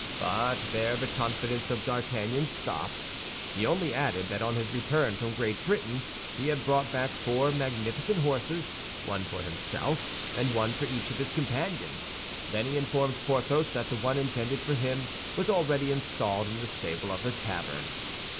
But there the confidence of D'Artagnan stopped. He only added that on his return from Great Britain he had brought back four magnificent horses—one for himself, and one for each of his companions; then he informed Porthos that the one intended for him was already installed in the stable of the tavern.